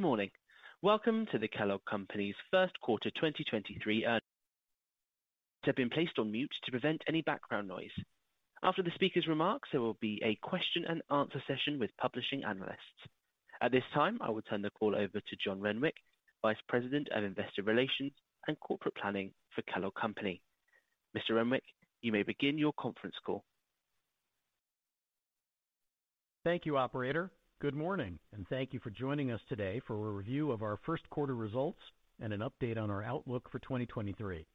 Good morning. Welcome to Kellanova's first quarter 2023 Earnings [Call]. [You] have been placed on mute to prevent any background noise. After the speaker's remarks, there will be a question and answer session with publishing analysts. At this time, I will turn the call over to John Renwick, Vice President of Investor Relations and Corporate Planning for Kellanova. Mr. Renwick, you may begin your conference call. Thank you, operator. Good morning, and thank you for joining us today for a review of our first quarter results and an update on our outlook for 2023.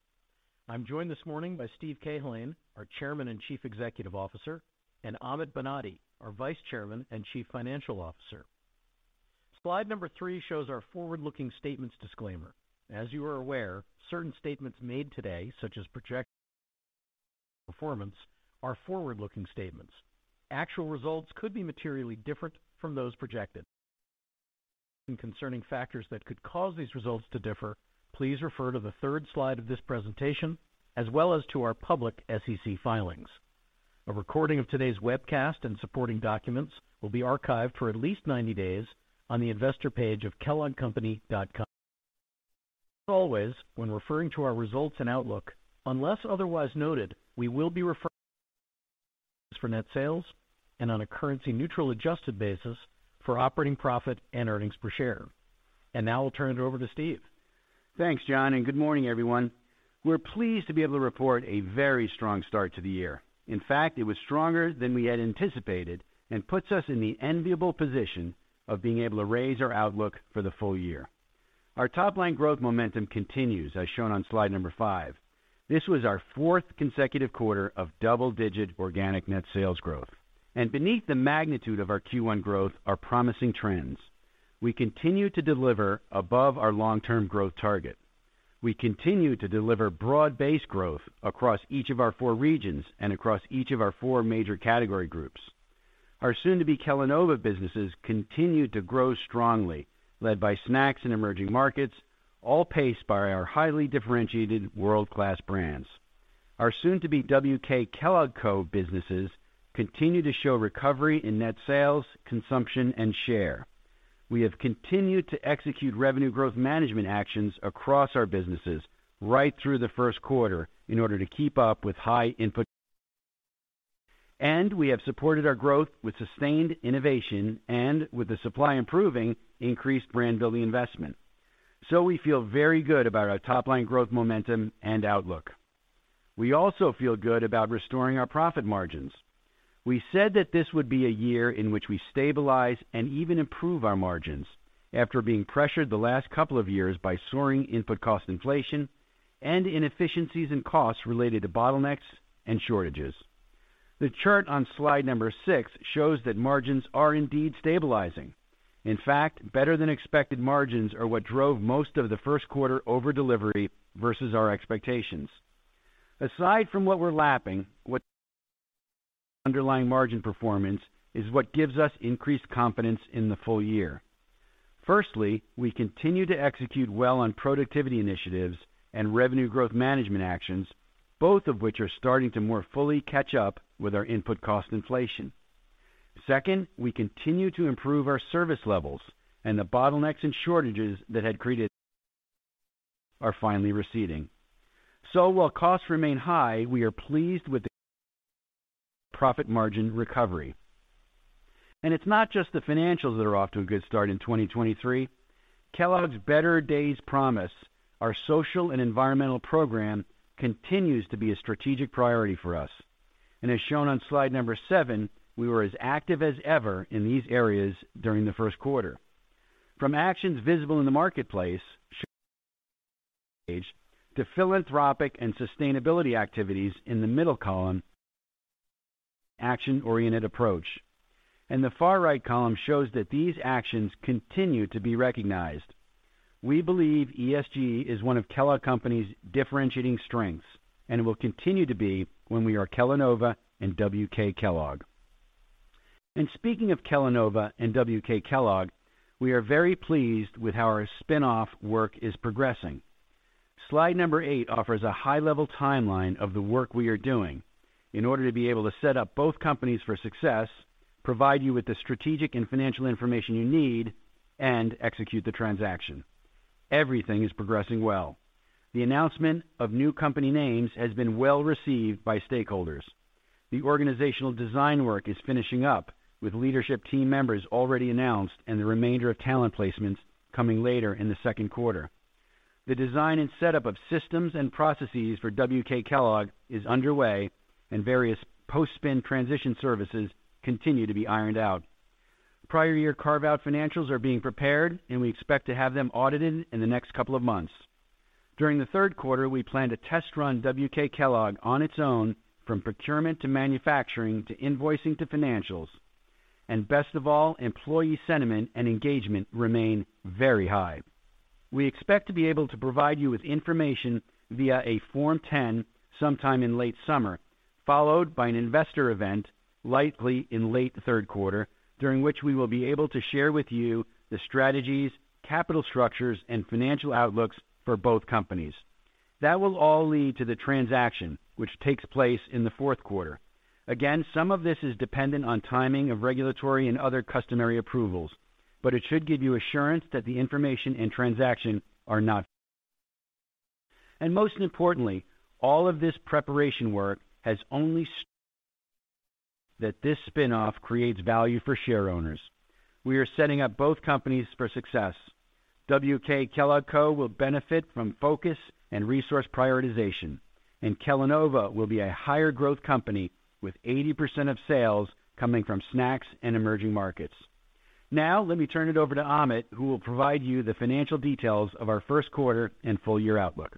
I'm joined this morning by Steve Cahillane, our Chairman and Chief Executive Officer, and Amit Banati, our Vice Chairman and Chief Financial Officer. Slide 3 shows our forward-looking statements disclaimer. As you are aware, certain statements made today, such as projections of future performance, are forward-looking statements. Actual results could be materially different from those projected. Concerning factors that could cause these results to differ, please refer to the third slide of this presentation as well as to our public SEC filings. A recording of today's webcast and supporting documents will be archived for at least 90 days on the investor page of kelloggcompany.com. As always, when referring to our results and outlook, unless otherwise noted, we will be referring to us for net sales and on a currency neutral adjusted basis for operating profit and earnings per share. Now I'll turn it over to Steve. Thanks, John, and good morning, everyone. We're pleased to be able to report a very strong start to the year. In fact, it was stronger than we had anticipated and puts us in the enviable position of being able to raise our outlook for the full year. Our top line growth momentum continues, as shown on Slide 5. This was our fourth consecutive quarter of double-digit organic net sales growth. Beneath the magnitude of our Q1 growth are promising trends. We continue to deliver above our long-term growth target. We continue to deliver broad-based growth across each of our 4 regions and across each of our 4 major category groups. Our soon to be Kellanova businesses continue to grow strongly, led by snacks in emerging markets, all paced by our highly differentiated world class brands. Our soon to be WK Kellogg Co businesses continue to show recovery in net sales, consumption and share. We have continued to execute revenue growth management actions across our businesses right through the 1st quarter in order to keep up with high input costs. We have supported our growth with sustained innovation and with the supply improving increased brand building investment. We feel very good about our top line growth, momentum and outlook. We also feel good about restoring our profit margins. We said that this would be a year in which we stabilize and even improve our margins after being pressured the last couple of years by soaring input cost inflation and inefficiencies in costs related to bottlenecks and shortages. The chart on Slide 6 shows that margins are indeed stabilizing. In fact, better than expected margins are what drove most of the first quarter over delivery versus our expectations. Aside from what we're lapping, what underlying margin performance is what gives us increased confidence in the full year. Firstly, we continue to execute well on productivity initiatives and revenue growth management actions, both of which are starting to more fully catch up with our input cost inflation. Second, we continue to improve our service levels and the bottlenecks and shortages that had created are finally receding. While costs remain high, we are pleased with the profit margin recovery. It's not just the financials that are off to a good start in 2023. Kellogg's Better Days Promise, our social and environmental program, continues to be a strategic priority for us. As shown on Slide 7, we were as active as ever in these areas during the first quarter. From actions visible in the marketplace, to philanthropic and sustainability activities in the middle column, action-oriented approach, and the far right column shows that these actions continue to be recognized. We believe ESG is one of Kellogg Company's differentiating strengths and will continue to be when we are Kellanova and WK Kellogg. Speaking of Kellanova and WK Kellogg, we are very pleased with how our spin off work is progressing. Slide eight offers a high-level timeline of the work we are doing in order to be able to set up both companies for success, provide you with the strategic and financial information you need, and execute the transaction. Everything is progressing well. The announcement of new company names has been well received by stakeholders. The organizational design work is finishing up with leadership team members already announced and the remainder of talent placements coming later in the second quarter. The design and setup of systems and processes for WK Kellogg is underway and various post-spin transition services continue to be ironed out. Prior year carve-out financials are being prepared and we expect to have them audited in the next couple of months. During the third quarter, we plan to test run WK Kellogg on its own from procurement to manufacturing to invoicing to financials. Best of all, employee sentiment and engagement remain very high. We expect to be able to provide you with information via a Form-10 sometime in late summer, followed by an investor event likely in late third quarter, during which we will be able to share with you the strategies, capital structures and financial outlooks for both companies. That will all lead to the transaction, which takes place in the fourth quarter. Some of this is dependent on timing of regulatory and other customary approvals, but it should give you assurance that the information and transaction are not. Most importantly, all of this preparation work has only that this spin-off creates value for shareowners. We are setting up both companies for success. WK Kellogg Co will benefit from focus and resource prioritization. Kellanova will be a higher growth company with 80% of sales coming from snacks and emerging markets. Now let me turn it over to Amit, who will provide you the financial details of our first quarter and full year outlook.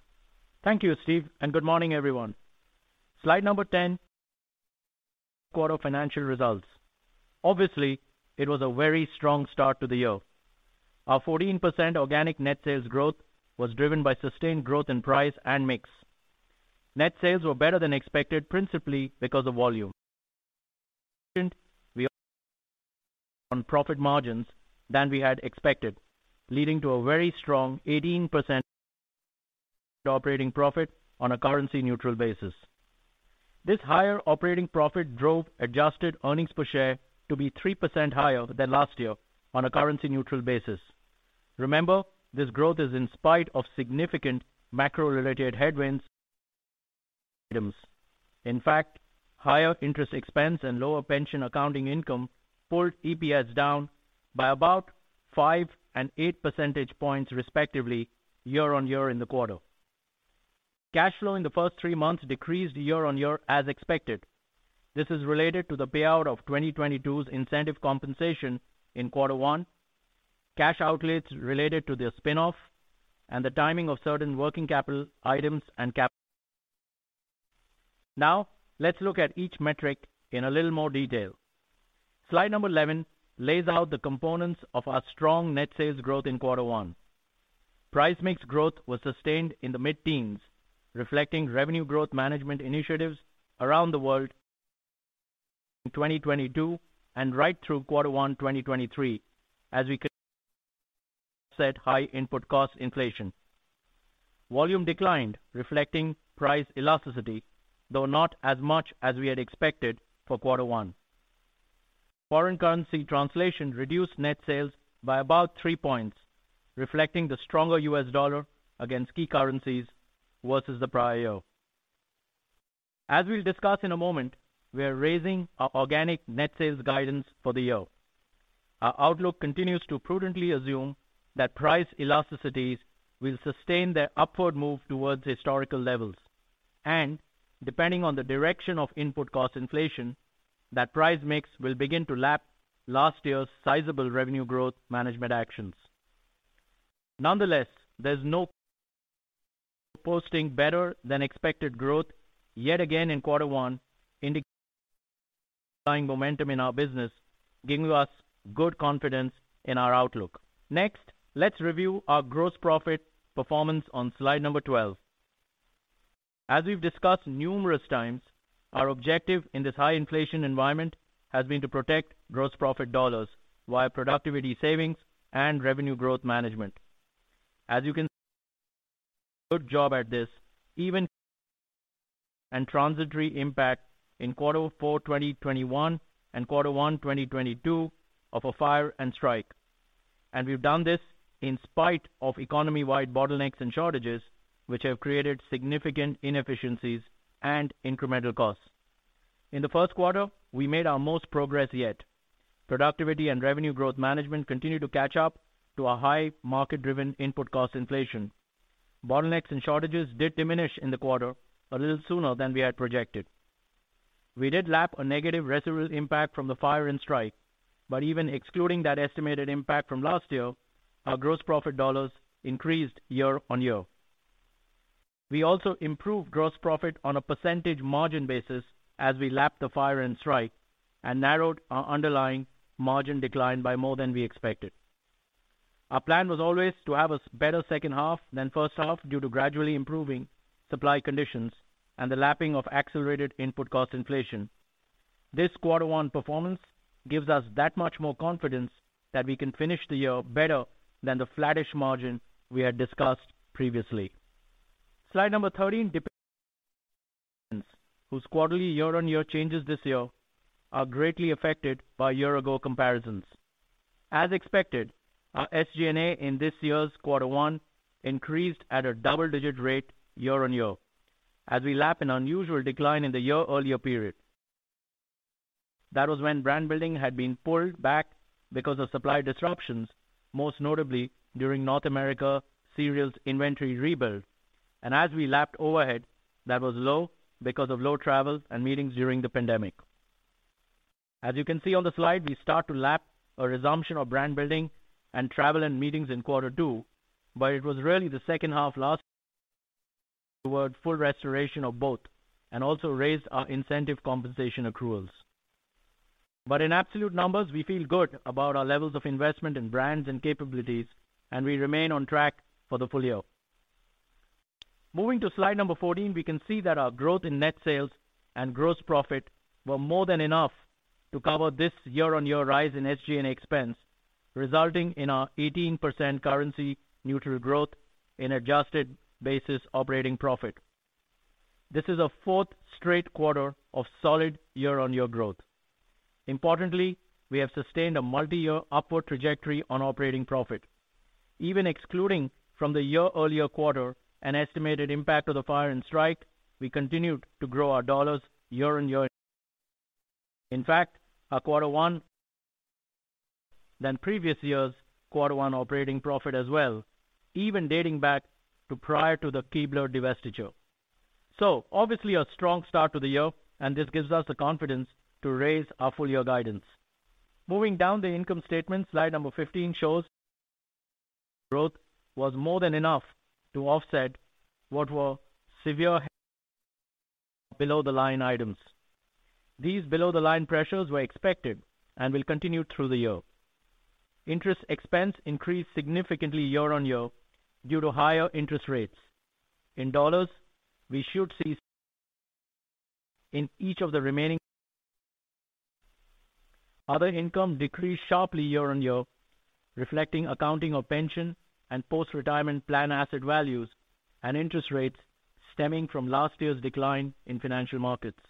Thank you, Steve. Good morning, everyone. Slide 10, quarter financial results. Obviously, it was a very strong start to the year. Our 14% organic net sales growth was driven by sustained growth in price and mix. Net sales were better than expected, principally because of volume. We on profit margins than we had expected, leading to a very strong 18% operating profit on a currency neutral basis. This higher operating profit drove adjusted earnings per share to be 3% higher than last year on a currency neutral basis. Remember, this growth is in spite of significant macro-related headwinds. In fact, higher interest expense and lower pension accounting income pulled EPS down by about 5 and 8 percentage points, respectively, year-on-year in the quarter. Cash flow in the first 3 months decreased year-on-year as expected. This is related to the payout of 2022's incentive compensation in quarter one, cash outlets related to the spin-off, and the timing of certain working capital items and capital. Let's look at each metric in a little more detail. Slide 11 lays out the components of our strong net sales growth in quarter one. Price mix growth was sustained in the mid-teens, reflecting revenue growth management initiatives around the world in 2022 and right through quarter one 2023 as we offset high input cost inflation. Volume declined, reflecting price elasticity, though not as much as we had expected for quarter one. Foreign currency translation reduced net sales by about 3 points, reflecting the stronger U.S. dollar against key currencies versus the prior year. As we'll discuss in a moment, we are raising our organic net sales guidance for the year. Our outlook continues to prudently assume that price elasticities will sustain their upward move towards historical levels and depending on the direction of input cost inflation, that price mix will begin to lap last year's sizable revenue growth management actions. Nonetheless, there's no posting better than expected growth yet again in quarter one, indicating momentum in our business, giving us good confidence in our outlook. Next, let's review our gross profit performance on Slide 12. As we've discussed numerous times, our objective in this high inflation environment has been to protect gross profit dollars via productivity savings and revenue growth management. As you can good job at this even and transitory impact in quarter four 2021 and quarter one 2022 of a fire and strike. We've done this in spite of economy-wide bottlenecks and shortages, which have created significant inefficiencies and incremental costs. In the first quarter, we made our most progress yet. Productivity and revenue growth management continue to catch up to a high market-driven input cost inflation. Bottlenecks and shortages did diminish in the quarter a little sooner than we had projected. We did lap a negative residual impact from the fire and strike, but even excluding that estimated impact from last year, our gross profit dollars increased year-on-year. We also improved gross profit on a percentage margin basis as we lapped the fire and strike and narrowed our underlying margin decline by more than we expected. Our plan was always to have a better second half than first half due to gradually improving supply conditions and the lapping of accelerated input cost inflation. This quarter one performance gives us that much more confidence that we can finish the year better than the flattish margin we had discussed previously. Slide 13, whose quarterly year-on-year changes this year are greatly affected by year-ago comparisons. As expected, our SG&A in this year's quarter one increased at a double-digit rate year-on-year as we lap an unusual decline in the year-earlier period. That was when brand building had been pulled back because of supply disruptions, most notably during North America cereals inventory rebuild. As we lapped overhead, that was low because of low travel and meetings during the pandemic. As you can see on the slide, we start to lap a resumption of brand building and travel and meetings in quarter two, but it was really the second half last toward full restoration of both and also raised our incentive compensation accruals. In absolute numbers, we feel good about our levels of investment in brands and capabilities, and we remain on track for the full year. Moving to Slide 14, we can see that our growth in net sales and gross profit were more than enough to cover this year-on-year rise in SG&A expense, resulting in our 18% currency neutral growth in adjusted basis operating profit. This is a fourth straight quarter of solid year-on-year growth. Importantly, we have sustained a multi-year upward trajectory on operating profit. Even excluding from the year-earlier quarter an estimated impact of the fire and strike, we continued to grow our dollars year-on-year. In fact, our quarter one... than previous year's quarter one operating profit as well, even dating back to prior to the Keebler divestiture. Obviously a strong start to the year, and this gives us the confidence to raise our full year guidance. Moving down the income statement, Slide 15 shows growth was more than enough to offset what were severe below-the-line items. These below-the-line pressures were expected and will continue through the year. Interest expense increased significantly year-on-year due to higher interest rates. In dollars, we should see... in each of the remaining... Other income decreased sharply year-on-year, reflecting accounting of pension and post-retirement plan asset values and interest rates stemming from last year's decline in financial markets.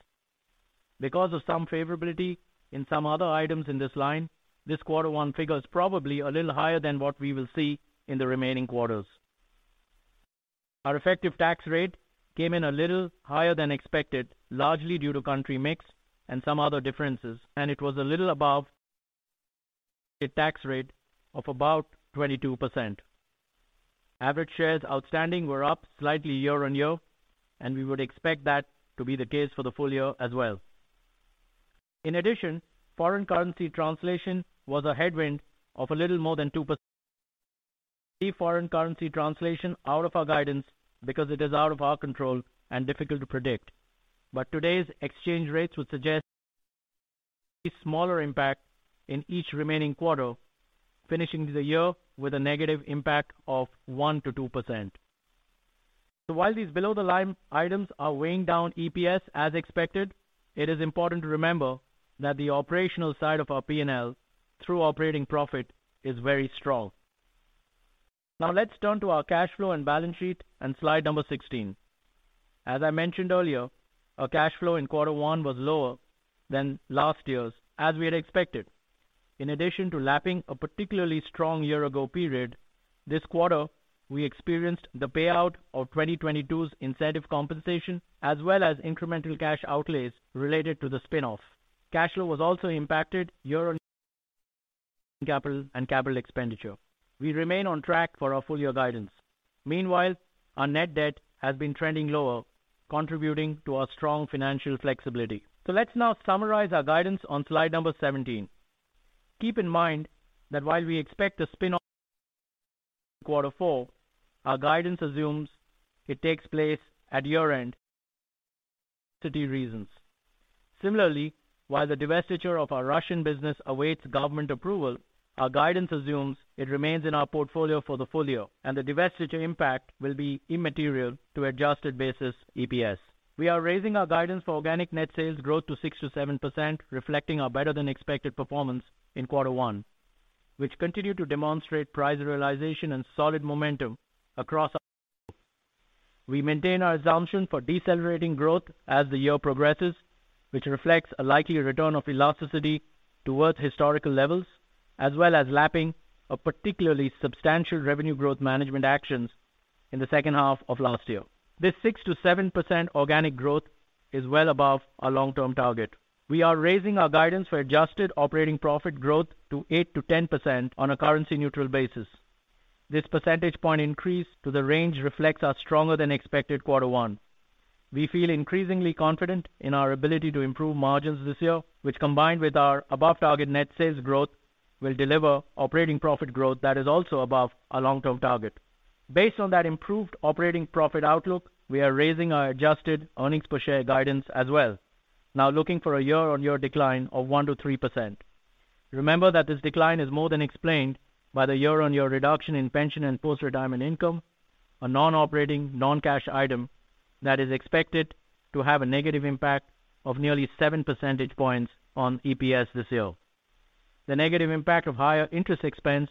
Because of some favorability in some other items in this line, this quarter one figure is probably a little higher than what we will see in the remaining quarters. Our effective tax rate came in a little higher than expected, largely due to country mix and some other differences, and it was a little above... tax rate of about 22%. Average shares outstanding were up slightly year-on-year. We would expect that to be the case for the full year as well. In addition, foreign currency translation was a headwind of a little more than 2%. We leave foreign currency translation out of our guidance because it is out of our control and difficult to predict. Today's exchange rates would suggest a smaller impact in each remaining quarter, finishing the year with a negative impact of 1%-2%. While these below-the-line items are weighing down EPS as expected, it is important to remember that the operational side of our P&L through operating profit is very strong. Now let's turn to our cash flow and balance sheet on Slide 16. As I mentioned earlier, our cash flow in quarter one was lower than last year's, as we had expected. In addition to lapping a particularly strong year-ago period, this quarter we experienced the payout of 2022's incentive compensation as well as incremental cash outlays related to the spin-off. Cash flow was also impacted year-on-year... working capital and capital expenditure. We remain on track for our full year guidance. Meanwhile, our net debt has been trending lower, contributing to our strong financial flexibility. Let's now summarize our guidance on Slide 17. Keep in mind that while we expect a spin-off quarter four, our guidance assumes it takes place at year-end for simplicity reasons. Similarly, while the divestiture of our Russian business awaits government approval, our guidance assumes it remains in our portfolio for the full year, and the divestiture impact will be immaterial to Adjusted Basis EPS. We are raising our guidance for organic net sales growth to 6%-7%, reflecting our better-than-expected performance in quarter one, which continue to demonstrate price realization and solid momentum across our. We maintain our assumption for decelerating growth as the year progresses, which reflects a likely return of elasticity towards historical levels, as well as lapping a particularly substantial revenue growth management actions in the second half of last year. This 6%-7% organic growth is well above our long-term target. We are raising our guidance for adjusted operating profit growth to 8%-10% on a currency-neutral basis. This percentage point increase to the range reflects our stronger-than-expected quarter one. We feel increasingly confident in our ability to improve margins this year, which combined with our above-target net sales growth, will deliver operating profit growth that is also above our long-term target. Based on that improved operating profit outlook, we are raising our adjusted earnings per share guidance as well, now looking for a year-on-year decline of 1%-3%. Remember that this decline is more than explained by the year-on-year reduction in pension and post-retirement income, a non-operating, non-cash item that is expected to have a negative impact of nearly 7 percentage points on EPS this year. The negative impact of higher interest expense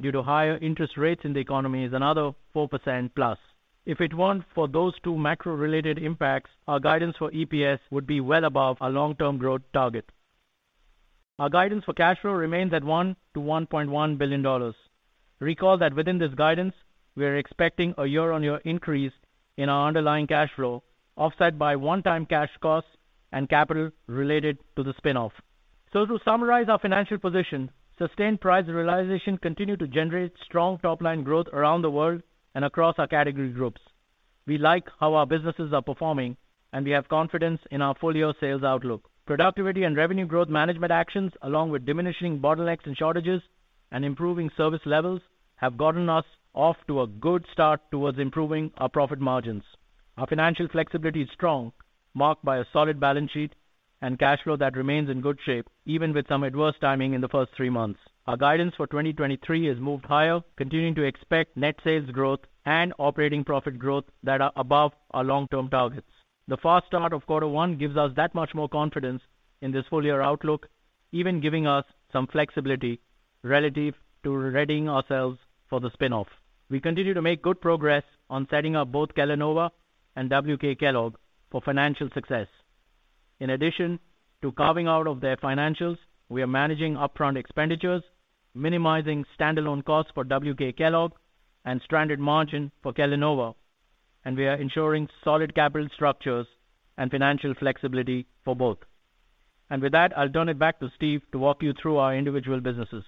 due to higher interest rates in the economy is another 4%+. If it weren't for those two macro-related impacts, our guidance for EPS would be well above our long-term growth target. Our guidance for cash flow remains at $1 billion-$1.1 billion. Recall that within this guidance, we are expecting a year-on-year increase in our underlying cash flow, offset by one-time cash costs and capital related to the spin-off. To summarize our financial position, sustained price realization continue to generate strong top-line growth around the world and across our category groups. We like how our businesses are performing, and we have confidence in our full-year sales outlook. Productivity and revenue growth management actions, along with diminishing bottlenecks and shortages and improving service levels, have gotten us off to a good start towards improving our profit margins. Our financial flexibility is strong, marked by a solid balance sheet and cash flow that remains in good shape even with some adverse timing in the first three months. Our guidance for 2023 has moved higher, continuing to expect net sales growth and operating profit growth that are above our long-term targets. The fast start of quarter one gives us that much more confidence in this full year outlook, even giving us some flexibility relative to readying ourselves for the spin-off. We continue to make good progress on setting up both Kellanova and WK Kellogg for financial success. In addition to carving out of their financials, we are managing upfront expenditures, minimizing standalone costs for WK Kellogg and stranded margin for Kellanova. We are ensuring solid capital structures and financial flexibility for both. With that, I'll turn it back to Steve to walk you through our individual businesses.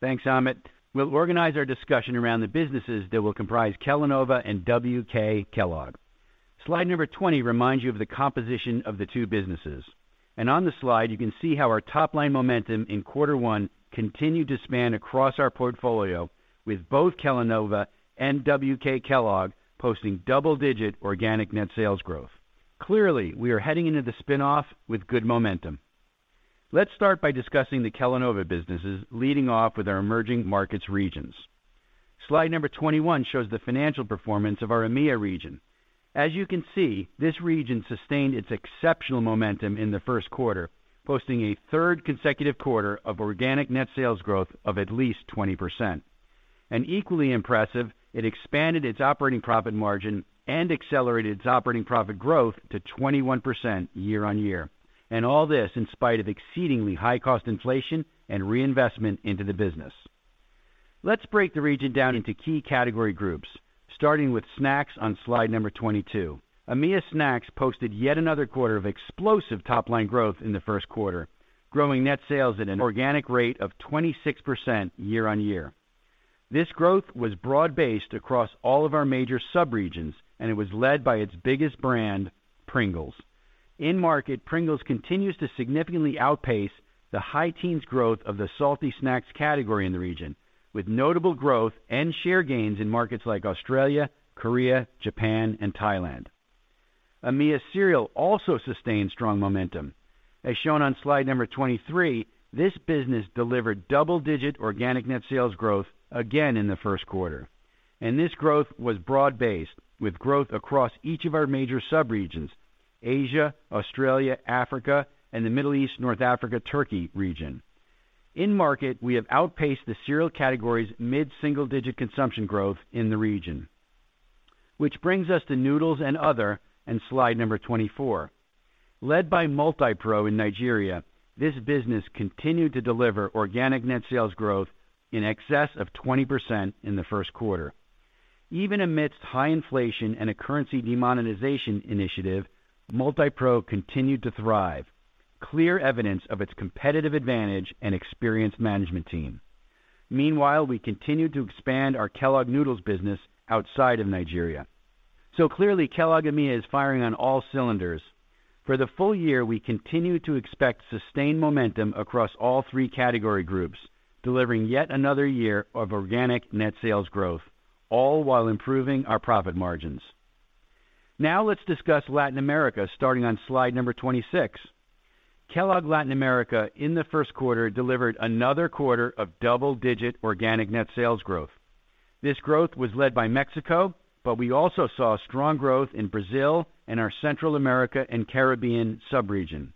Thanks, Amit. We'll organize our discussion around the businesses that will comprise Kellanova and WK Kellogg. Slide 20 reminds you of the composition of the two businesses. On the slide, you can see how our top-line momentum in quarter one continued to span across our portfolio with both Kellanova and WK Kellogg posting double-digit organic net sales growth. Clearly, we are heading into the spin-off with good momentum. Let's start by discussing the Kellanova businesses, leading off with our emerging markets regions. Slide 21 shows the financial performance of our EMEA region. As you can see, this region sustained its exceptional momentum in the first quarter, posting a third consecutive quarter of organic net sales growth of at least 20%. Equally impressive, it expanded its operating profit margin and accelerated its operating profit growth to 21% YoY. All this in spite of exceedingly high cost inflation and reinvestment into the business. Let's break the region down into key category groups, starting with snacks on Slide 22. EMEA snacks posted yet another quarter of explosive top-line growth in the first quarter, growing net sales at an organic rate of 26% YoY. This growth was broad-based across all of our major subregions, and it was led by its biggest brand, Pringles. In market, Pringles continues to significantly outpace the high teens growth of the salty snacks category in the region, with notable growth and share gains in markets like Australia, Korea, Japan, and Thailand. EMEA Cereal also sustained strong momentum. As shown on Slide 23, this business delivered double-digit organic net sales growth again in the first quarter, and this growth was broad-based, with growth across each of our major subregions: Asia, Australia, Africa, and the Middle East, North Africa, Turkey region. In market, we have outpaced the cereal category's mid-single digit consumption growth in the region. Which brings us to noodles and other in Slide 24. Led by Multipro in Nigeria, this business continued to deliver organic net sales growth in excess of 20% in the first quarter. Even amidst high inflation and a currency demonetization initiative, Multipro continued to thrive, clear evidence of its competitive advantage and experienced management team. Meanwhile, we continued to expand our Kellogg's Noodles business outside of Nigeria. Clearly, Kellogg EMEA is firing on all cylinders. For the full year, we continue to expect sustained momentum across all three category groups, delivering yet another year of organic net sales growth, all while improving our profit margins. Now let's discuss Latin America, starting on Slide 26. Kellogg Latin America in the first quarter delivered another quarter of double-digit organic net sales growth. This growth was led by Mexico, but we also saw strong growth in Brazil and our Central America and Caribbean subregion.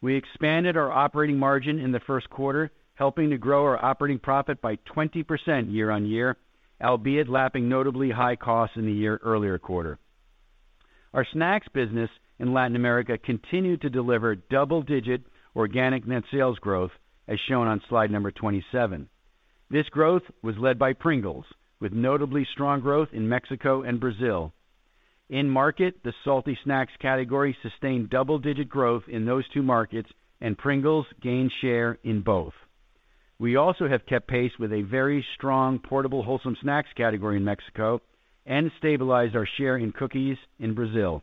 We expanded our operating margin in the first quarter, helping to grow our operating profit by 20% YoY, albeit lapping notably high costs in the year earlier quarter. Our snacks business in Latin America continued to deliver double-digit organic net sales growth, as shown on Slide 27. This growth was led by Pringles, with notably strong growth in Mexico and Brazil. In market, the salty snacks category sustained double-digit growth in those two markets, and Pringles gained share in both. We also have kept pace with a very strong portable wholesome snacks category in Mexico and stabilized our share in cookies in Brazil.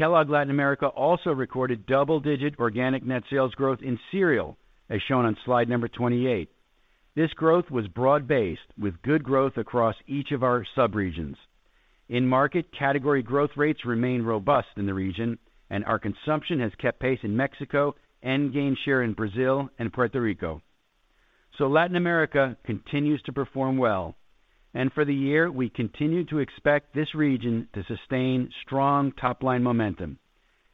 Kellogg Latin America also recorded double-digit organic net sales growth in cereal, as shown on Slide 28. This growth was broad-based with good growth across each of our subregions. In market, category growth rates remain robust in the region, and our consumption has kept pace in Mexico and gained share in Brazil and Puerto Rico. Latin America continues to perform well. For the year, we continue to expect this region to sustain strong top-line momentum.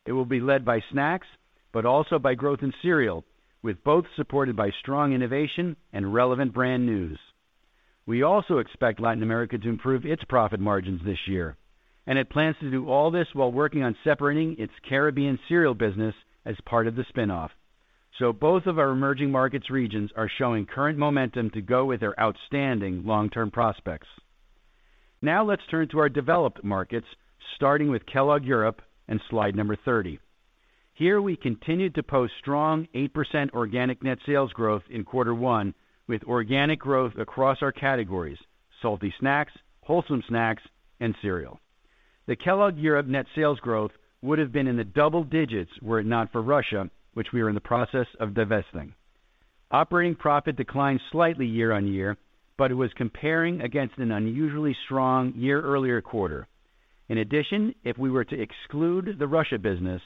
It will be led by snacks, but also by growth in cereal, with both supported by strong innovation and relevant brand news. We also expect Latin America to improve its profit margins this year, and it plans to do all this while working on separating its Caribbean cereal business as part of the spin-off. Both of our emerging markets regions are showing current momentum to go with their outstanding long-term prospects. Let's turn to our developed markets, starting with Kellogg Europe and Slide 30. Here we continued to post strong 8% organic net sales growth in Q1 with organic growth across our categories: salty snacks, wholesome snacks, and cereal. The Kellogg Europe net sales growth would have been in the double digits were it not for Russia, which we are in the process of divesting. Operating profit declined slightly year-on-year, it was comparing against an unusually strong year earlier quarter. In addition, if we were to exclude the Russia business,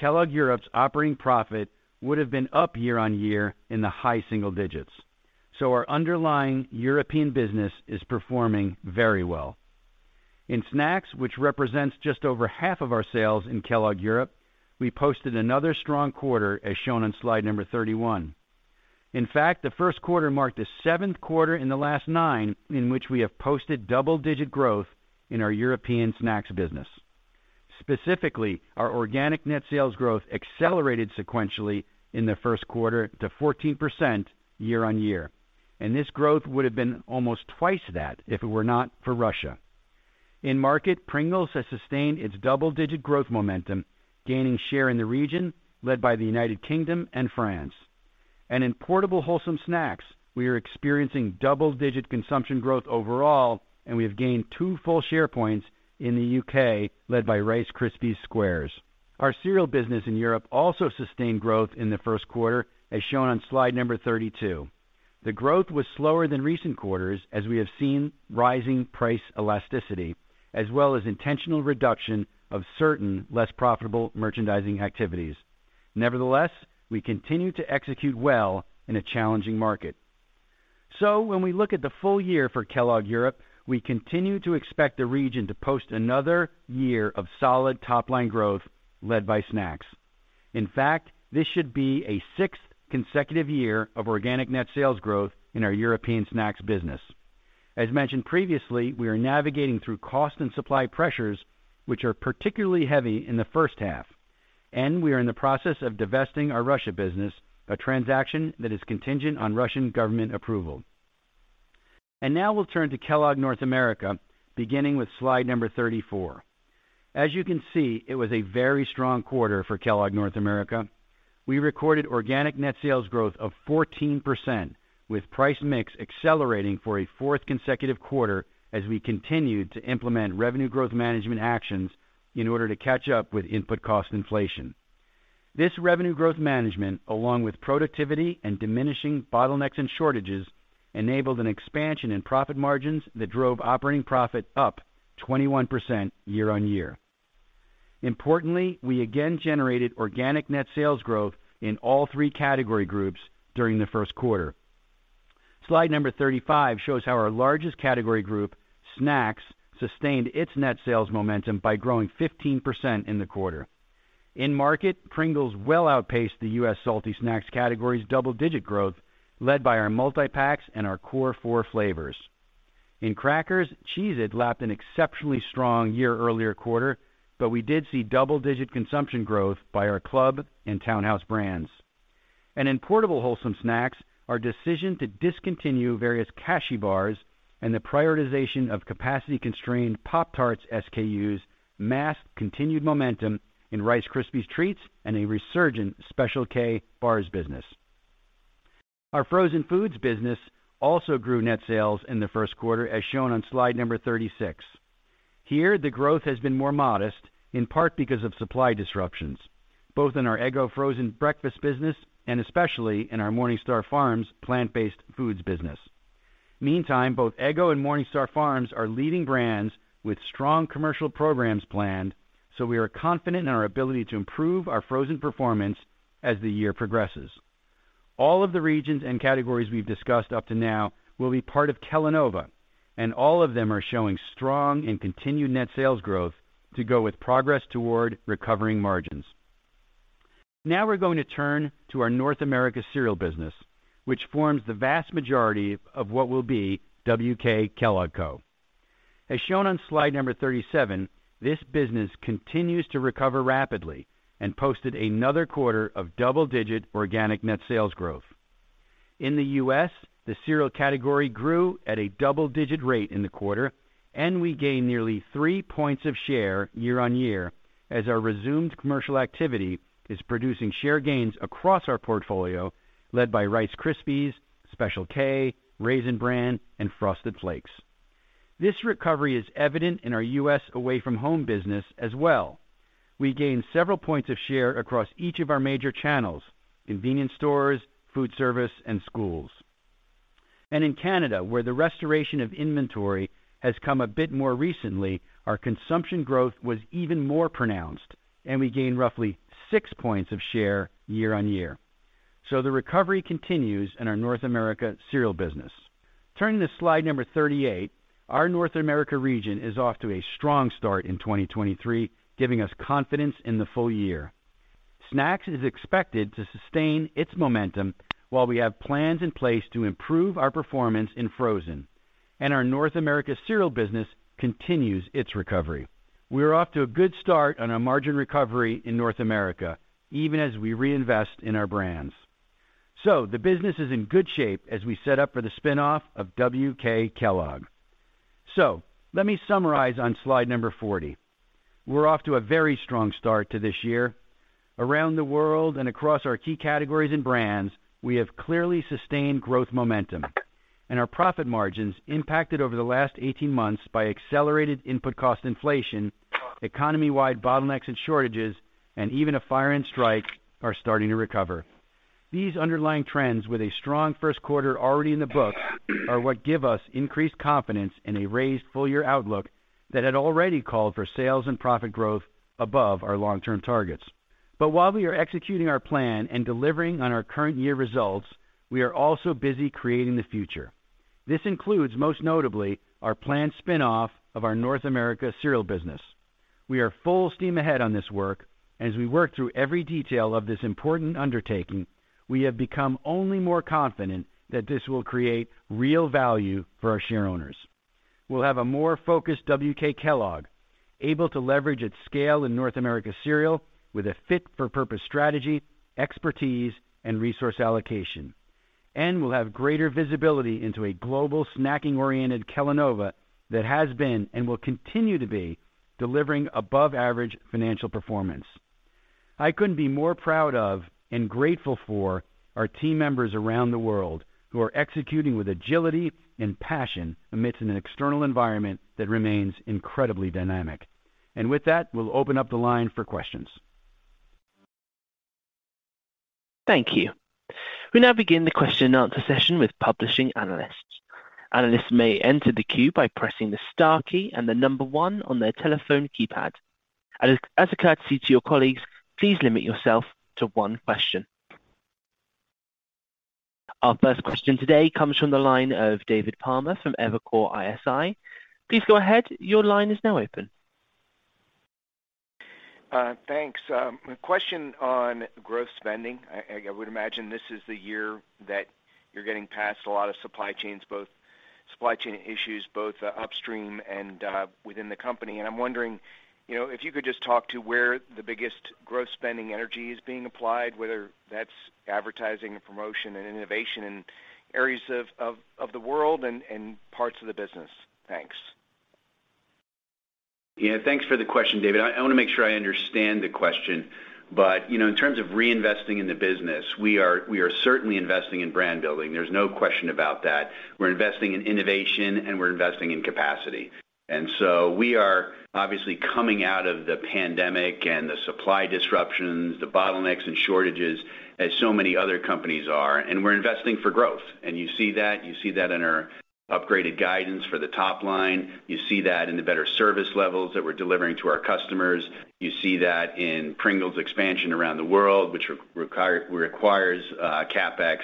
Kellogg Europe's operating profit would have been up year-on-year in the high single digits. Our underlying European business is performing very well. In snacks, which represents just over half of our sales in Kellogg Europe, we posted another strong quarter, as shown on Slide 31. In fact, the first quarter marked the seventh quarter in the last nine in which we have posted double-digit growth in our European snacks business. Specifically, our organic net sales growth accelerated sequentially in the first quarter to 14% YoY, and this growth would have been almost twice that if it were not for Russia. In market, Pringles has sustained its double-digit growth momentum, gaining share in the region led by the United Kingdom and France. In portable wholesome snacks, we are experiencing double-digit consumption growth overall, and we have gained 2 full share points in the U.K., led by Rice Krispies Squares. Our cereal business in Europe also sustained growth in the first quarter, as shown on Slide 32. The growth was slower than recent quarters, as we have seen rising price elasticity, as well as intentional reduction of certain less profitable merchandising activities. Nevertheless, we continue to execute well in a challenging market. When we look at the full year for Kellogg Europe, we continue to expect the region to post another year of solid top line growth led by snacks. In fact, this should be a sixth consecutive year of organic net sales growth in our European snacks business. As mentioned previously, we are navigating through cost and supply pressures, which are particularly heavy in the first half, and we are in the process of divesting our Russia business, a transaction that is contingent on Russian government approval. We'll turn to Kellogg North America, beginning with Slide 34. As you can see, it was a very strong quarter for Kellogg North America. We recorded organic net sales growth of 14%, with price mix accelerating for a fourth consecutive quarter as we continued to implement revenue growth management actions in order to catch up with input cost inflation. This revenue growth management, along with productivity and diminishing bottlenecks and shortages, enabled an expansion in profit margins that drove operating profit up 21% YoY. Importantly, we again generated organic net sales growth in all three category groups during the first quarter. Slide 35 shows how our largest category group, snacks, sustained its net sales momentum by growing 15% in the quarter. In market, Pringles well outpaced the U.S. salty snacks category's double-digit growth, led by our multi-packs and our core four flavors. In crackers, Cheez-It lapped an exceptionally strong year earlier quarter, but we did see double-digit consumption growth by our Club and Town House brands. In portable wholesome snacks, our decision to discontinue various Kashi bars and the prioritization of capacity constrained Pop-Tarts SKUs masked continued momentum in Rice Krispies Treats and a resurgent Special K bars business. Our frozen foods business also grew net sales in the first quarter, as shown on Slide 36. Here, the growth has been more modest, in part because of supply disruptions, both in our Eggo frozen breakfast business and especially in our MorningStar Farms plant-based foods business. Meantime, both Eggo and MorningStar Farms are leading brands with strong commercial programs planned, we are confident in our ability to improve our frozen performance as the year progresses. All of the regions and categories we've discussed up to now will be part of Kellanova, all of them are showing strong and continued net sales growth to go with progress toward recovering margins. We're going to turn to our North America cereal business, which forms the vast majority of what will be WK Kellogg Co. As shown on Slide 37, this business continues to recover rapidly and posted another quarter of double-digit organic net sales growth. In the U.S., the cereal category grew at a double-digit rate in the quarter. We gained nearly 3 points of share year-on-year as our resumed commercial activity is producing share gains across our portfolio, led by Rice Krispies, Special K, Raisin Bran, and Frosted Flakes. This recovery is evident in our U.S. away from home business as well. We gained several points of share across each of our major channels, convenience stores, food service, and schools. In Canada, where the restoration of inventory has come a bit more recently, our consumption growth was even more pronounced. We gained roughly 6 points of share year-on-year. The recovery continues in our North America cereal business. Turning to Slide 38, our North America region is off to a strong start in 2023, giving us confidence in the full year. Snacks is expected to sustain its momentum while we have plans in place to improve our performance in frozen, and our North America cereal business continues its recovery. We are off to a good start on our margin recovery in North America, even as we reinvest in our brands. The business is in good shape as we set up for the spin-off of WK Kellogg. Let me summarize on Slide 40. We're off to a very strong start to this year. Around the world and across our key categories and brands, we have clearly sustained growth momentum. Our profit margins impacted over the last 18 months by accelerated input cost inflation, economy-wide bottlenecks and shortages, and even a fire and strike are starting to recover. These underlying trends with a strong first quarter already in the books are what give us increased confidence in a raised full year outlook that had already called for sales and profit growth above our long-term targets. While we are executing our plan and delivering on our current year results, we are also busy creating the future. This includes, most notably, our planned spin-off of our North America cereal business. We are full steam ahead on this work. As we work through every detail of this important undertaking, we have become only more confident that this will create real value for our shareowners. We'll have a more focused WK Kellogg, able to leverage its scale in North America cereal with a fit for purpose, strategy, expertise, and resource allocation. Will have greater visibility into a global snacking oriented Kellanova that has been and will continue to be delivering above average financial performance. I couldn't be more proud of and grateful for our team members around the world who are executing with agility and passion amidst an external environment that remains incredibly dynamic. With that, we'll open up the line for questions. Thank you. We now begin the question and answer session with publishing analysts. Analysts may enter the queue by pressing the star key and the number 1 on their telephone keypad. As a courtesy to your colleagues, please limit yourself to 1 question. Our first question today comes from the line of David Palmer from Evercore ISI. Please go ahead. Your line is now open. Thanks. A question on growth spending. I would imagine this is the year that you're getting past a lot of supply chains, both supply chain issues, both upstream and within the company. I'm wondering, you know, if you could just talk to where the biggest growth spending energy is being applied, whether that's advertising and promotion and innovation in areas of the world and parts of the business. Thanks. Yeah, thanks for the question, David. I wanna make sure I understand the question. You know, in terms of reinvesting in the business, we are certainly investing in brand building. There's no question about that. We're investing in innovation, and we're investing in capacity. We are obviously coming out of the pandemic and the supply disruptions, the bottlenecks and shortages as so many other companies are, and we're investing for growth. You see that, you see that in our upgraded guidance for the top line. You see that in the better service levels that we're delivering to our customers. You see that in Pringles expansion around the world, which requires CapEx.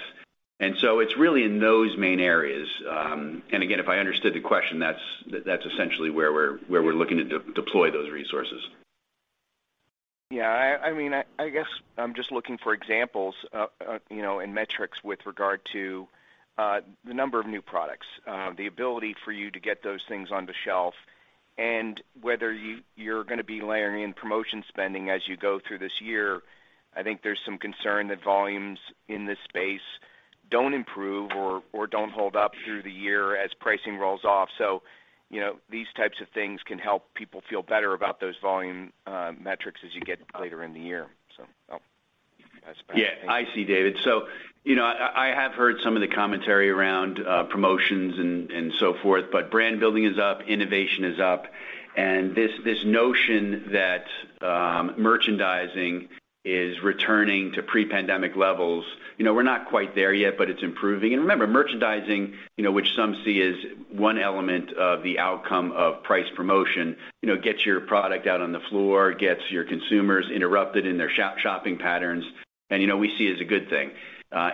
It's really in those main areas. Again, if I understood the question, that's essentially where we're looking to de-deploy those resources. Yeah. I mean, I guess I'm just looking for examples, you know, and metrics with regard to the number of new products, the ability for you to get those things on the shelf and whether you're gonna be layering in promotion spending as you go through this year. I think there's some concern that volumes in this space don't improve or don't hold up through the year as pricing rolls off. You know, these types of things can help people feel better about those volume metrics as you get later in the year. I'll pass it back to you. Yeah, I see, David. You know, I have heard some of the commentary around promotions and so forth, but brand building is up, innovation is up, and this notion that merchandising is returning to pre-pandemic levels. You know, we're not quite there yet, but it's improving. Remember, merchandising, you know, which some see as one element of the outcome of price promotion, you know, gets your product out on the floor, gets your consumers interrupted in their shopping patterns, and, you know, we see as a good thing.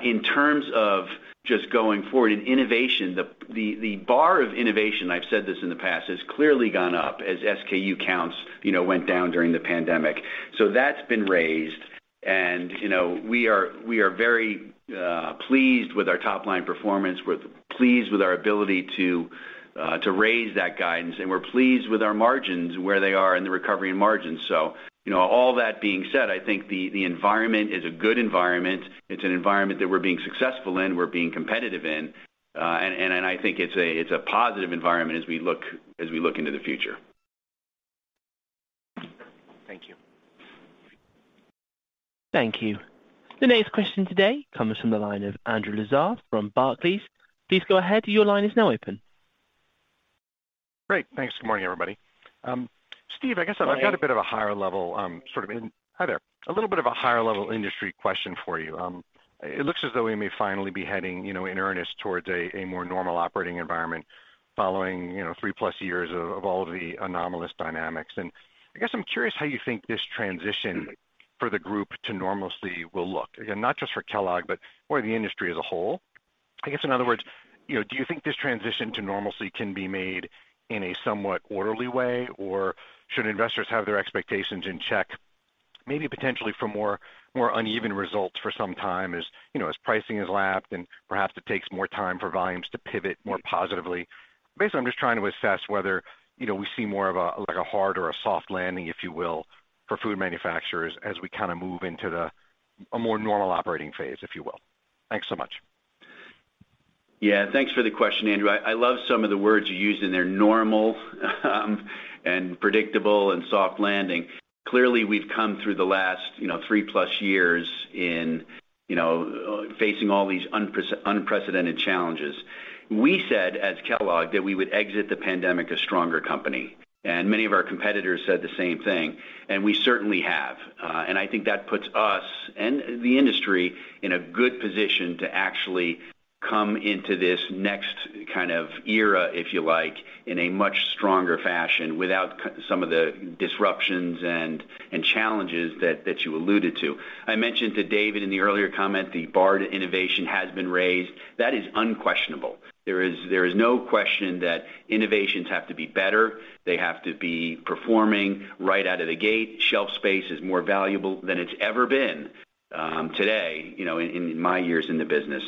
In terms of just going forward in innovation, the bar of innovation, I've said this in the past, has clearly gone up as SKU counts, you know, went down during the pandemic. That's been raised. You know, we are very pleased with our top line performance. We're pleased with our ability to to raise that guidance, and we're pleased with our margins, where they are in the recovery and margins. You know, all that being said, I think the environment is a good environment. It's an environment that we're being successful in, we're being competitive in, and I think it's a, it's a positive environment as we look into the future. Thank you. Thank you. The next question today comes from the line of Andrew Lazar from Barclays. Please go ahead. Your line is now open. Great. Thanks. Good morning, everybody. Steve, a little bit of a higher level industry question for you. It looks as though we may finally be heading, you know, in earnest towards a more normal operating environment following, you know, 3+ years of all the anomalous dynamics. I guess I'm curious how you think this transition for the group to normalcy will look. Again, not just for Kellogg, but more the industry as a whole. I guess, in other words, you know, do you think this transition to normalcy can be made in a somewhat orderly way, or should investors have their expectations in check, maybe potentially for more uneven results for some time as, you know, as pricing is lapped and perhaps it takes more time for volumes to pivot more positively? Basically, I'm just trying to assess whether, you know, we see more of a, like a hard or a soft landing, if you will, for food manufacturers as we kinda move into the, a more normal operating phase, if you will. Thanks so much. Thanks for the question, Andrew. I love some of the words you used in there, normal, and predictable and soft landing. Clearly, we've come through the last, you know, 3+ years in, you know, facing all these unprecedented challenges. We said at Kellogg that we would exit the pandemic a stronger company, and many of our competitors said the same thing, and we certainly have. I think that puts us and the industry in a good position to actually come into this next kind of era, if you like, in a much stronger fashion without some of the disruptions and challenges that you alluded to. I mentioned to David in the earlier comment, the bar to innovation has been raised. That is unquestionable. There is no question that innovations have to be better. They have to be performing right out of the gate. Shelf space is more valuable than it's ever been, today, you know, in my years in the business.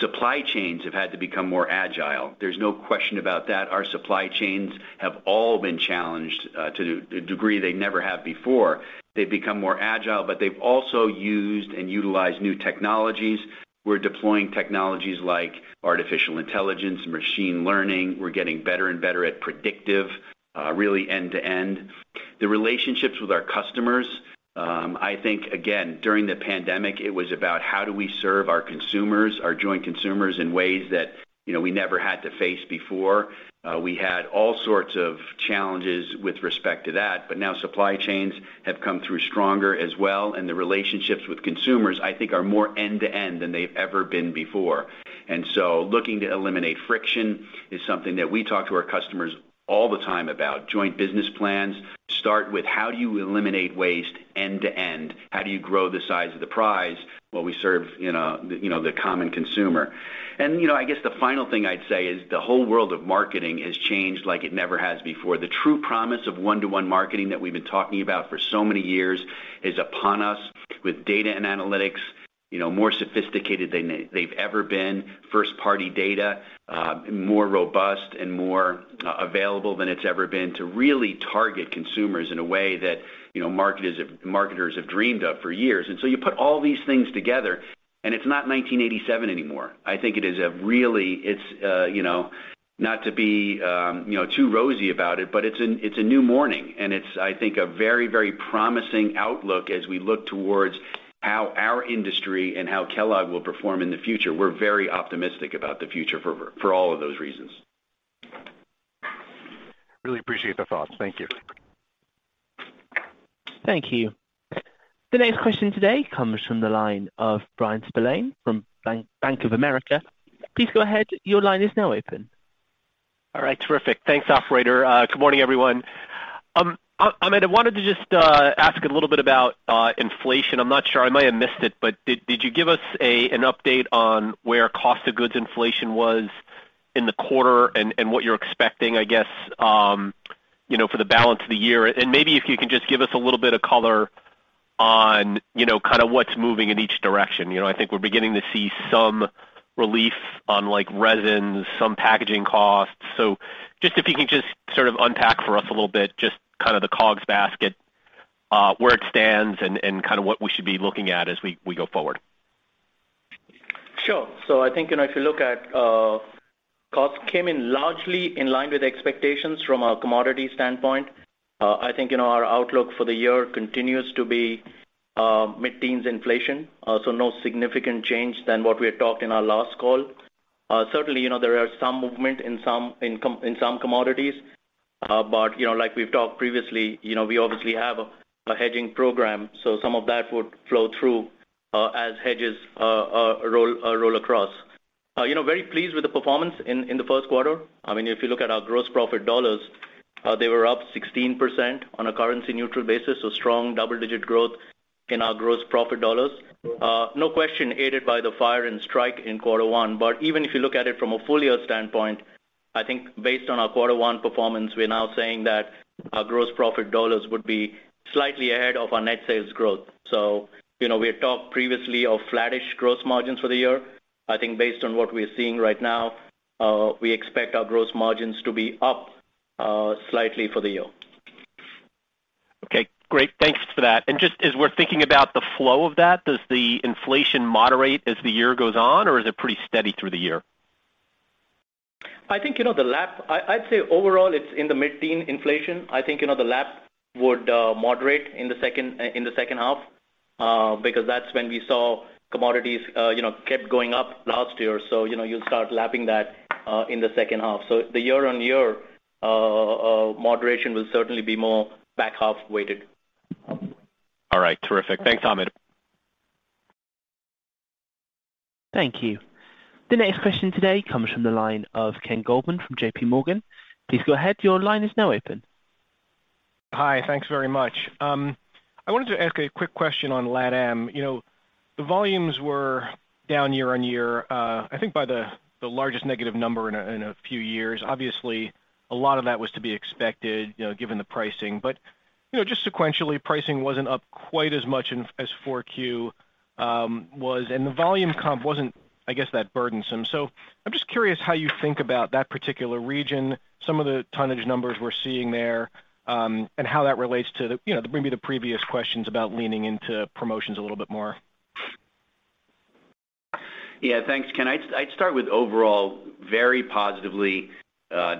Supply chains have had to become more agile. There's no question about that. Our supply chains have all been challenged to a degree they never have before. They've become more agile, but they've also used and utilized new technologies. We're deploying technologies like artificial intelligence, machine learning. We're getting better and better at predictive, really end-to-end. The relationships with our customers, I think again, during the pandemic, it was about how do we serve our consumers, our joint consumers in ways that, you know, we never had to face before. We had all sorts of challenges with respect to that, but now supply chains have come through stronger as well. The relationships with consumers, I think are more end-to-end than they've ever been before. Looking to eliminate friction is something that we talk to our customers all the time about. Joint business plans start with how do you eliminate waste end-to-end? How do you grow the size of the prize while we serve, you know, the, you know, the common consumer? I guess the final thing I'd say is the whole world of marketing has changed like it never has before. The true promise of one-to-one marketing that we've been talking about for so many years is upon us with data and analytics, you know, more sophisticated than they've ever been. First party data, more robust and more available than it's ever been to really target consumers in a way that, you know, marketers have dreamed of for years. you put all these things together, and it's not 1987 anymore. I think it is a really... It's, you know, not to be, you know, too rosy about it, but it's a, it's a new morning, and it's, I think, a very, very promising outlook as we look towards how our industry and how Kellanova will perform in the future. We're very optimistic about the future for all of those reasons. Really appreciate the thoughts. Thank you. Thank you. The next question today comes from the line of Bryan Spillane from Bank of America. Please go ahead. Your line is now open. All right. Terrific. Thanks, operator. Good morning, everyone. Amit, I wanted to just ask a little bit about inflation. I'm not sure I may have missed it, but did you give us an update on where cost of goods inflation was in the quarter and what you're expecting, I guess, you know, for the balance of the year? Maybe if you can just give us a little bit of color on, you know, kind of what's moving in each direction. You know, I think we're beginning to see some relief on, like, resins, some packaging costs. Just if you can just sort of unpack for us a little bit, just kind of the COGS basket, where it stands and kind of what we should be looking at as we go forward. Sure. I think, you know, if you look at costs came in largely in line with expectations from a commodity standpoint. I think, you know, our outlook for the year continues to be mid-teens inflation. No significant change than what we had talked in our last call. Certainly, you know, there are some movement in some commodities. You know, like we've talked previously, you know, we obviously have a hedging program, so some of that would flow through as hedges roll across. You know, very pleased with the performance in the first quarter. I mean, if you look at our gross profit dollars, they were up 16% on a currency neutral basis. Strong double-digit growth in our gross profit dollars. No question aided by the fire and strike in quarter one. Even if you look at it from a full year standpoint, I think based on our quarter one performance, we're now saying that our gross profit dollars would be slightly ahead of our net sales growth. You know, we had talked previously of flattish gross margins for the year. I think based on what we're seeing right now, we expect our gross margins to be up slightly for the year. Okay, great. Thanks for that. Just as we're thinking about the flow of that, does the inflation moderate as the year goes on, or is it pretty steady through the year? I think, you know, I'd say overall it's in the mid-teen inflation. I think, you know, the lap would moderate in the second half because that's when we saw commodities, you know, kept going up last year. You know, you'll start lapping that in the second half. The year-on-year moderation will certainly be more back half weighted. All right. Terrific. Thanks, Amit. Thank you. The next question today comes from the line of Ken Goldman from J.P. Morgan. Please go ahead. Your line is now open. Hi. Thanks very much. I wanted to ask a quick question on LatAm. You know, the volumes were down year-on-year, I think by the largest negative number in a, in a few years. Obviously, a lot of that was to be expected, you know, given the pricing. You know, just sequentially, pricing wasn't up quite as much as Q4 was, and the volume comp wasn't, I guess, that burdensome. I'm just curious how you think about that particular region, some of the tonnage numbers we're seeing there, and how that relates to the, you know, maybe the previous questions about leaning into promotions a little bit more. Yeah. Thanks, Ken. I'd start with overall very positively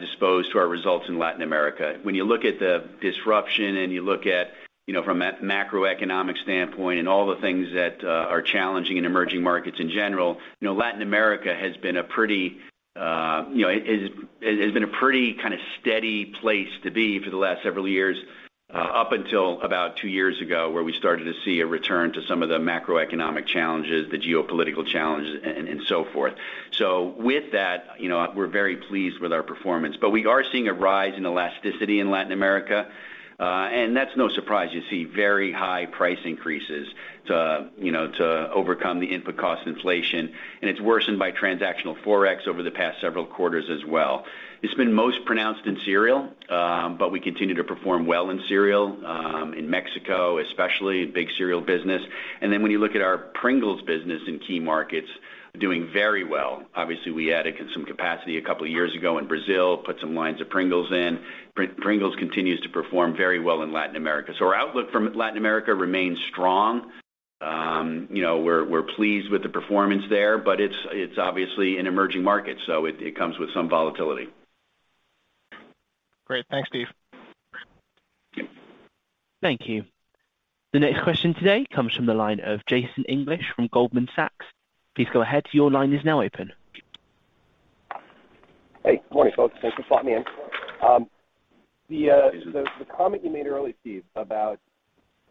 disposed to our results in Latin America. When you look at the disruption and you look at, you know, from a macroeconomic standpoint and all the things that are challenging in emerging markets in general, you know, Latin America has been a pretty, you know, it has been a pretty kind of steady place to be for the last several years, up until about two years ago, where we started to see a return to some of the macroeconomic challenges, the geopolitical challenges and so forth. With that, you know, we're very pleased with our performance. We are seeing a rise in elasticity in Latin America, and that's no surprise. You see very high price increases to, you know, to overcome the input cost inflation, and it's worsened by transactional Forex over the past several quarters as well. It's been most pronounced in cereal, but we continue to perform well in cereal, in Mexico, especially big cereal business. When you look at our Pringles business in key markets, doing very well. Obviously, we added some capacity 2 years ago in Brazil, put some lines of Pringles in. Pringles continues to perform very well in Latin America. Our outlook for Latin America remains strong. You know, we're pleased with the performance there, but it's obviously an emerging market, so it comes with some volatility. Great. Thanks, Steve. Thank you. The next question today comes from the line of Jason English from Goldman Sachs. Please go ahead. Your line is now open. Hey, good morning, folks. Thanks for slotting me in. The comment you made earlier, Steve, about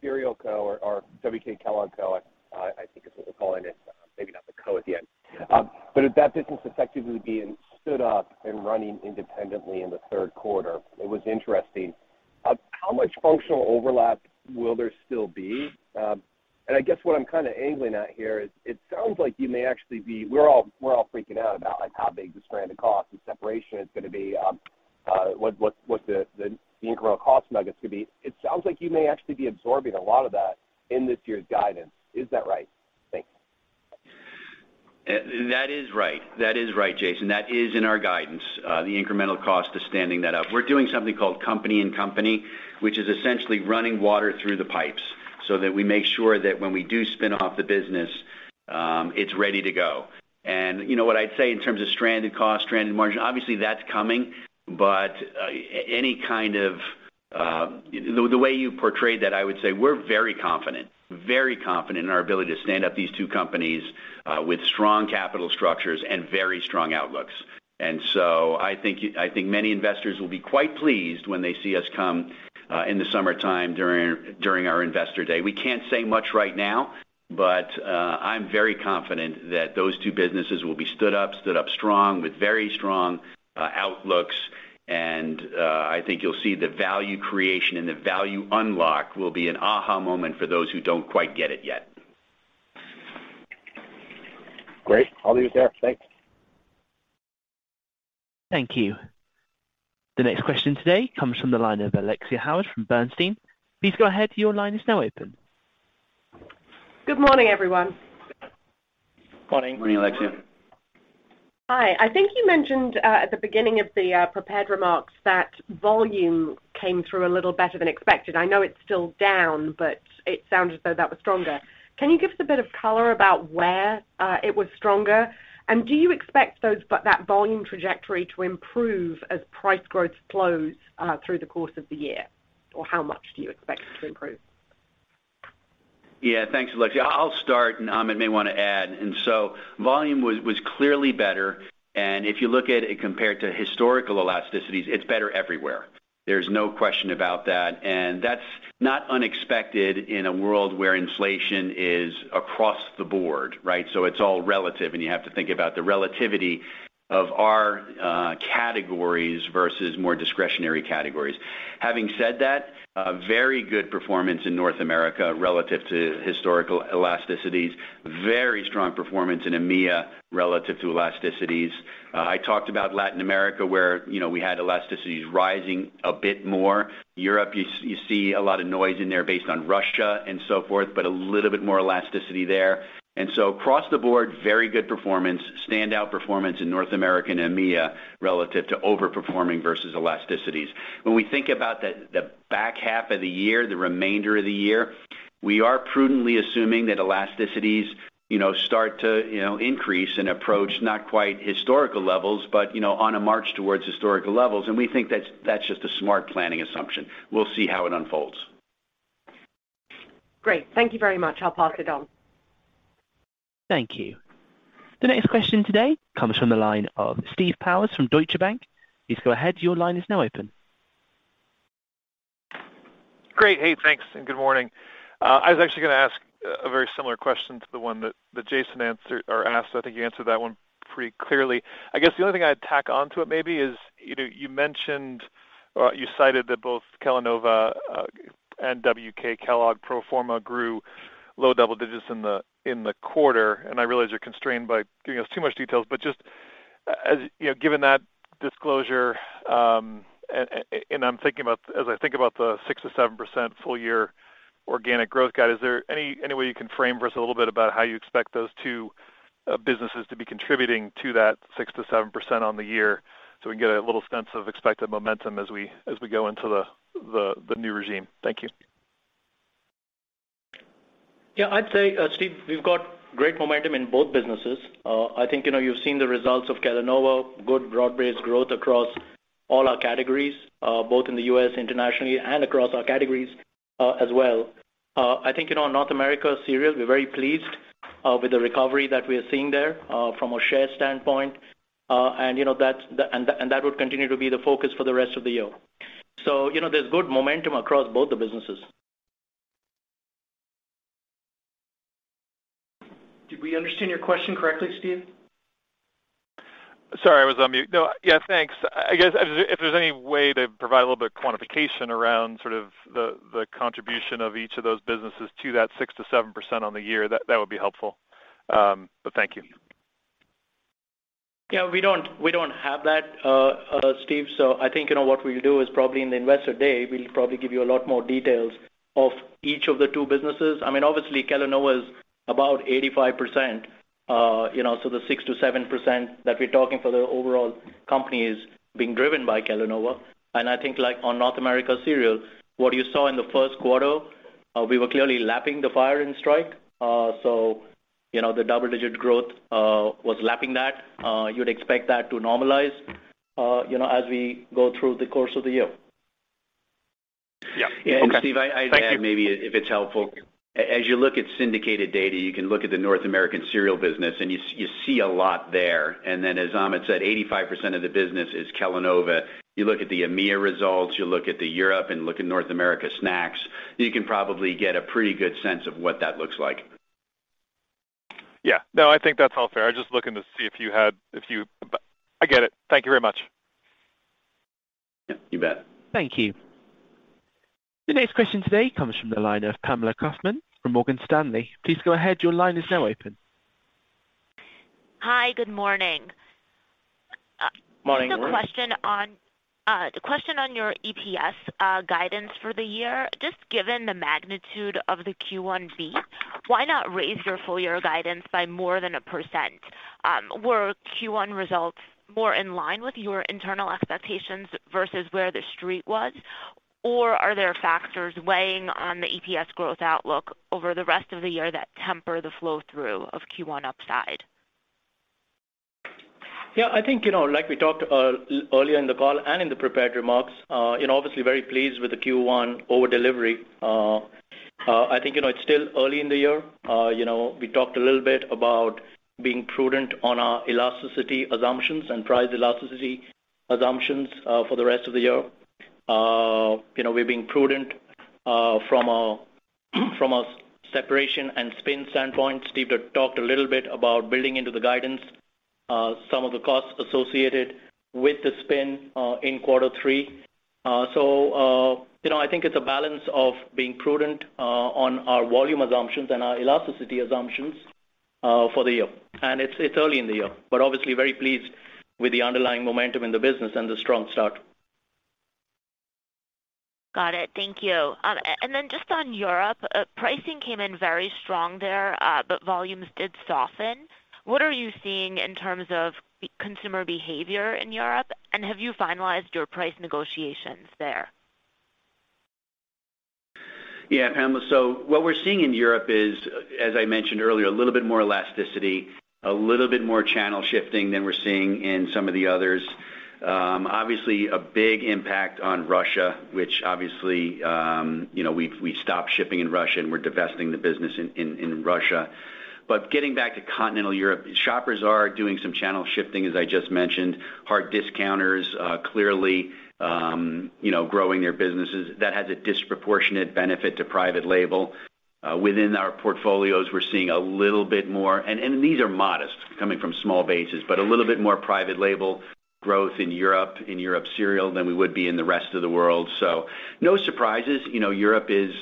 Cereal Co. or WK Kellogg Co., I think is what we're calling it, maybe not the Co. at the end. With that business effectively being stood up and running independently in the third quarter, it was interesting. How much functional overlap will there still be? I guess what I'm kinda angling at here is it sounds like we're all freaking out about, like, how big the stranded cost and separation is gonna be, what the incremental cost nuggets could be. It sounds like you may actually be absorbing a lot of that in this year's guidance. Is that right? Thanks. That is right. That is right, Jason. That is in our guidance, the incremental cost to standing that up. We're doing something called company in company, which is essentially running water through the pipes so that we make sure that when we do spin off the business, it's ready to go. You know what I'd say in terms of stranded cost, stranded margin, obviously that's coming, but any kind of the way you portrayed that, I would say we're very confident in our ability to stand up these two companies with strong capital structures and very strong outlooks. I think many investors will be quite pleased when they see us come in the summertime during our investor day. We can't say much right now, but I'm very confident that those two businesses will be stood up strong with very strong outlooks, and I think you'll see the value creation and the value unlock will be an aha moment for those who don't quite get it yet. Great. I'll leave it there. Thanks. Thank you. The next question today comes from the line of Alexia Howard from Bernstein. Please go ahead. Your line is now open. Good morning, everyone. Morning. Morning, Alexia. Hi. I think you mentioned, at the beginning of the prepared remarks that volume came through a little better than expected. I know it's still down, but it sounded as though that was stronger. Can you give us a bit of color about where it was stronger? Do you expect that volume trajectory to improve as price growth slows, through the course of the year? Or how much do you expect it to improve? Yeah. Thanks, Alexia. I'll start, and Amit may wanna add. Volume was clearly better. If you look at it compared to historical elasticities, it's better everywhere. There's no question about that. That's not unexpected in a world where inflation is across the board, right? It's all relative, and you have to think about the relativity of our categories versus more discretionary categories. Having said that, a very good performance in North America relative to historical elasticities, very strong performance in EMEA relative to elasticities. I talked about Latin America, where, you know, we had elasticities rising a bit more. Europe, you see a lot of noise in there based on Russia and so forth, but a little bit more elasticity there. Across the board, very good performance, standout performance in North America and EMEA relative to overperforming versus elasticities. When we think about the back half of the year, the remainder of the year, we are prudently assuming that elasticities, you know, start to, you know, increase and approach not quite historical levels, but, you know, on a march towards historical levels. We think that's just a smart planning assumption. We'll see how it unfolds. Great. Thank you very much. I'll pass it on. Thank you. The next question today comes from the line of Steve Powers from Deutsche Bank. Please go ahead. Your line is now open. Great. Hey, thanks, and good morning. I was actually gonna ask a very similar question to the one that Jason answered or asked. I think he answered that one pretty clearly. I guess the only thing I'd tack onto it maybe is, you know, you mentioned or you cited that both Kellanova, and WK Kellogg pro forma grew low double digits in the quarter. I realize you're constrained by giving us too much details, but just as, you know, given that disclosure, and as I think about the 6%-7% full year organic growth guide, is there any way you can frame for us a little bit about how you expect those two businesses to be contributing to that 6%-7% on the year so we can get a little sense of expected momentum as we go into the new regime? Thank you. Yeah, I'd say, Steve, we've got great momentum in both businesses. I think, you know, you've seen the results of Kellanova, good broad-based growth across all our categories, both in the U.S. internationally and across our categories, as well. I think, you know, in North America cereal, we're very pleased, with the recovery that we are seeing there, from a share standpoint. You know, that would continue to be the focus for the rest of the year. You know, there's good momentum across both the businesses. Did we understand your question correctly, Steve? Sorry, I was on mute. No. Yeah, thanks. I guess if there's any way to provide a little bit quantification around sort of the contribution of each of those businesses to that 6%-7% on the year, that would be helpful. Thank you. Yeah, we don't, we don't have that, Steve. I think, you know, what we'll do is probably in the Investor Day, we'll probably give you a lot more details of each of the two businesses. I mean, obviously Kellanova is about 85%, you know, the 6%-7% that we're talking for the overall company is being driven by Kellanova. I think like on North America Cereal, what you saw in the first quarter, we were clearly lapping the fire and strike. You know, the double-digit growth was lapping that. You'd expect that to normalize, you know, as we go through the course of the year. Yeah. Okay. Thank you. Steve, I'd add maybe if it's helpful, as you look at syndicated data, you can look at the North American cereal business and you see a lot there. As Amit said, 85% of the business is Kellanova. You look at the EMEA results, you look at the Europe and look at North America snacks, you can probably get a pretty good sense of what that looks like. Yeah. No, I think that's all fair. I was just looking to see if you had. I get it. Thank you very much. You bet. Thank you. The next question today comes from the line of Pamela Kaufman from Morgan Stanley. Please go ahead. Your line is now open. Hi. Good morning. Morning. Just a question on your EPS guidance for the year. Just given the magnitude of the Q1 beat, why not raise your full year guidance by more than 1%? Were Q1 results more in line with your internal expectations versus where the street was? Are there factors weighing on the EPS growth outlook over the rest of the year that temper the flow through of Q1 upside? I think, you know, like we talked earlier in the call and in the prepared remarks, you know, obviously very pleased with the Q1 over delivery. I think, you know, it's still early in the year. You know, we talked a little bit about being prudent on our elasticity assumptions and price elasticity assumptions for the rest of the year. You know, we're being prudent from a separation and spin standpoint. Steve talked a little bit about building into the guidance some of the costs associated with the spin in quarter three. You know, I think it's a balance of being prudent on our volume assumptions and our elasticity assumptions for the year. It's early in the year, but obviously very pleased with the underlying momentum in the business and the strong start. Got it. Thank you. Then just on Europe, pricing came in very strong there, but volumes did soften. What are you seeing in terms of consumer behavior in Europe, and have you finalized your price negotiations there? Yeah, Pamela. What we're seeing in Europe is, as I mentioned earlier, a little bit more elasticity, a little bit more channel shifting than we're seeing in some of the others. Obviously a big impact on Russia, which obviously, you know, we've stopped shipping in Russia, and we're divesting the business in Russia. Getting back to continental Europe, shoppers are doing some channel shifting, as I just mentioned. Hard discounters, clearly, you know, growing their businesses. That has a disproportionate benefit to private label. Within our portfolios, we're seeing a little bit more, and these are modest coming from small bases, but a little bit more private label growth in Europe, in Europe Cereal than we would be in the rest of the world. No surprises. You know, Europe is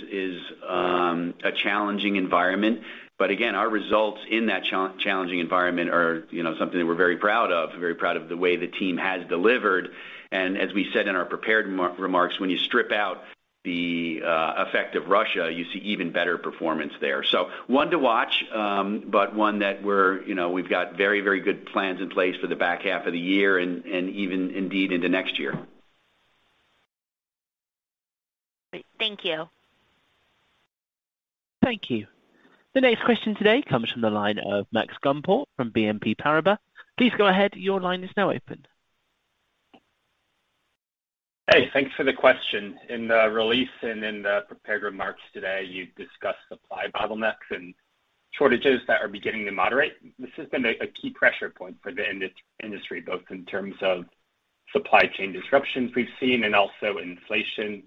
a challenging environment. Again, our results in that challenging environment are, you know, something that we're very proud of, very proud of the way the team has delivered. As we said in our prepared remarks, when you strip out the effect of Russia, you see even better performance there. One to watch, but one that we're, you know, we've got very, very good plans in place for the back half of the year and even indeed into next year. Great. Thank you. Thank you. The next question today comes from the line of Max Gumport from BNP Paribas. Please go ahead. Your line is now open. Hey, thanks for the question. In the release and in the prepared remarks today, you discussed supply bottlenecks and shortages that are beginning to moderate. This has been a key pressure point for the industry, both in terms of supply chain disruptions we've seen and also inflation,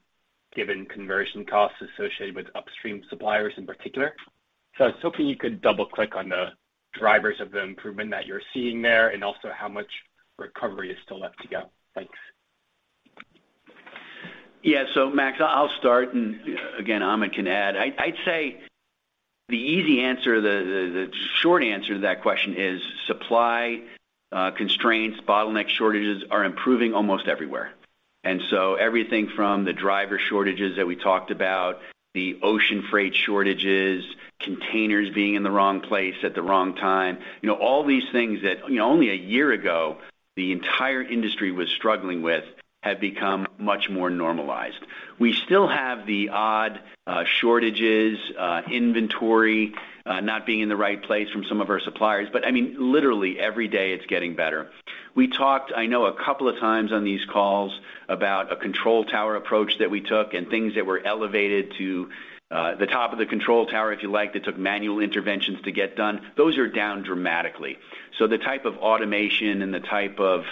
given conversion costs associated with upstream suppliers in particular. I was hoping you could double-click on the drivers of the improvement that you're seeing there and also how much recovery is still left to go. Thanks. Yeah. Max, I'll start and again, Amit can add. I'd say the easy answer, the short answer to that question is supply constraints, bottleneck shortages are improving almost everywhere. Everything from the driver shortages that we talked about, the ocean freight shortages, containers being in the wrong place at the wrong time, you know, all these things that, you know, only a year ago, the entire industry was struggling with have become much more normalized. We still have the odd shortages, inventory not being in the right place from some of our suppliers, but I mean, literally every day it's getting better. We talked, I know a couple of times on these calls about a control tower approach that we took and things that were elevated to the top of the control tower, if you like, that took manual interventions to get done. Those are down dramatically. The type of automation and the type of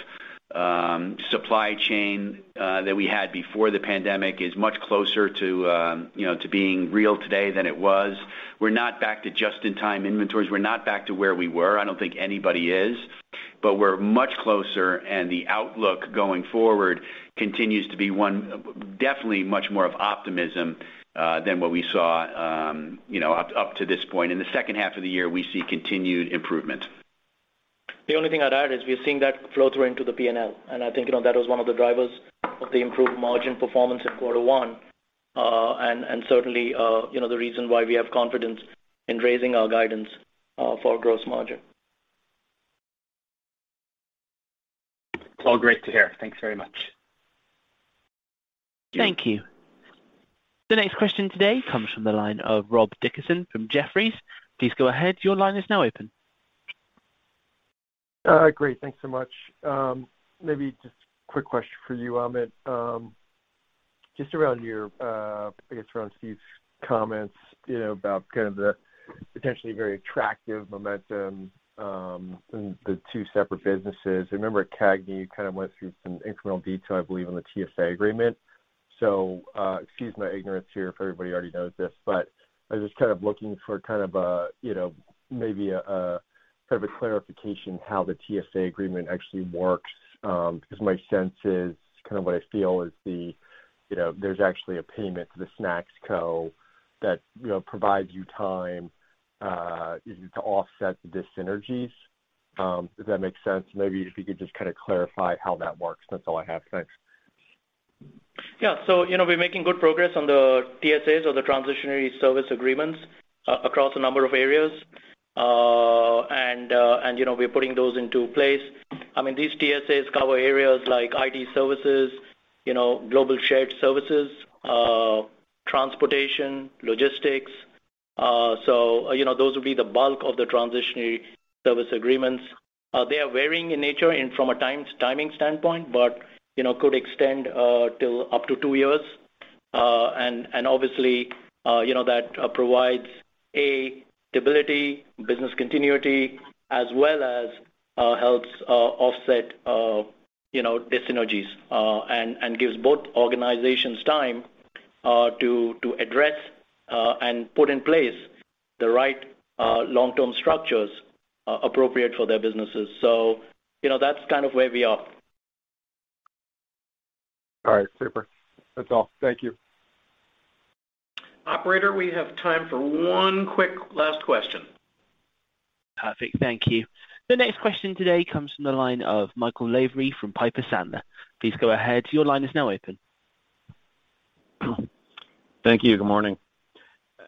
supply chain that we had before the pandemic is much closer to, you know, to being real today than it was. We're not back to just-in-time inventories. We're not back to where we were. I don't think anybody is. We're much closer, and the outlook going forward continues to be one definitely much more of optimism than what we saw, you know, up to this point. In the second half of the year, we see continued improvement. The only thing I'd add is we are seeing that flow through into the P&L, and I think, you know, that was one of the drivers of the improved margin performance in quarter one, and certainly, you know, the reason why we have confidence in raising our guidance for gross margin. It's all great to hear. Thanks very much. Thank you. The next question today comes from the line of Rob Dickerson from Jefferies. Please go ahead. Your line is now open. Great. Thanks so much. Maybe just a quick question for you, Amit. Just around your, I guess around Steve's comments, you know, about kind of the potentially very attractive momentum in the two separate businesses. I remember at CAGNY, you kind of went through some incremental detail, I believe, on the TSA agreement. Excuse my ignorance here if everybody already knows this, but I was just kind of looking for a clarification how the TSA agreement actually works. Because my sense is kind of what I feel is the, you know, there's actually a payment to the Snacks Co. that, you know, provides you time us to offset the dyssynergies. If that makes sense. Maybe if you could just kind of clarify how that works. That's all I have. Thanks. Yeah. you know, we're making good progress on the TSAs or the transitionary service agreements across a number of areas. you know, we're putting those into place. I mean, these TSAs cover areas like IT services, you know, global shared services, transportation, logistics. you know, those would be the bulk of the transitionary service agreements. They are varying in nature and from a timing standpoint, you know, could extend till up to 2 years. obviously, you know, that provides, A, stability, business continuity, as well as helps offset, you know, dyssynergies, and gives both organizations time to address and put in place the right long-term structures appropriate for their businesses. you know, that's kind of where we are. All right. Super. That's all. Thank you. Operator, we have time for one quick last question. Perfect. Thank you. The next question today comes from the line of Michael Lavery from Piper Sandler. Please go ahead. Your line is now open. Thank you. Good morning.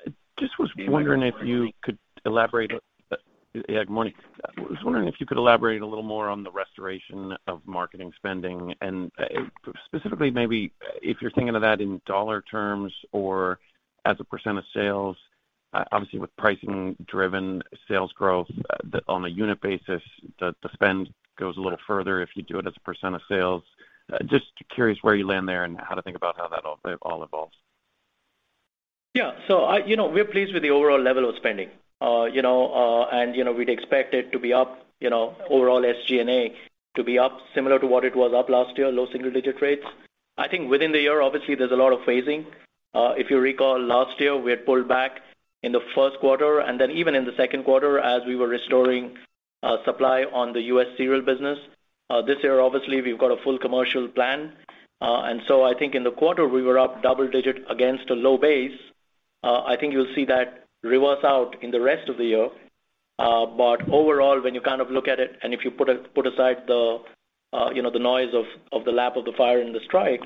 I was wondering if you could elaborate a little more on the restoration of marketing spending, and specifically maybe if you're thinking of that in dollar terms or as a percent of sales. Obviously, with pricing-driven sales growth, on a unit basis, the spend goes a little further if you do it as a % of sales. Just curious where you land there and how to think about how that all evolves. You know, we're pleased with the overall level of spending. You know, we'd expect it to be up, you know, overall SG&A to be up similar to what it was up last year, low single-digit rates. I think within the year, obviously, there's a lot of phasing. If you recall, last year, we had pulled back in the first quarter and then even in the second quarter as we were restoring, supply on the U.S. cereal business. This year, obviously, we've got a full commercial plan. I think in the quarter, we were up double digit against a low base. I think you'll see that reverse out in the rest of the year. But overall, when you kind of look at it, and if you put aside the, you know, the noise of the lap of the fire and the strike,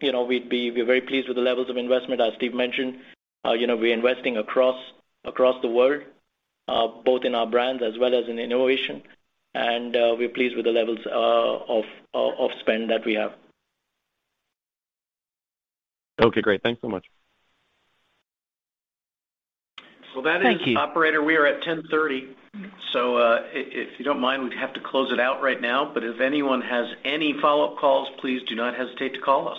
you know, we're very pleased with the levels of investment. As Steve mentioned, you know, we're investing across the world, both in our brands as well as in innovation, and we're pleased with the levels of spend that we have. Okay, great. Thanks so much. Well, that is- Thank you. Operator, we are at 10:30 A.M., so if you don't mind, we'd have to close it out right now. If anyone has any follow-up calls, please do not hesitate to call us.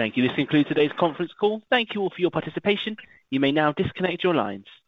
Thank you. This concludes today's conference call. Thank you all for your participation. You may now disconnect your lines.